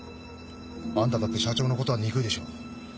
あんただって社長のことは憎いでしょう。